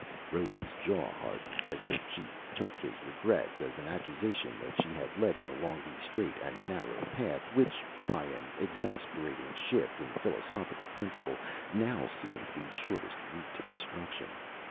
Rose's jaw hardened, as if she took his regrets as an accusation that she had led him along the straight and narrow path, which by an exasperating shift in philosophical principle now seemed the shortest route to destruction.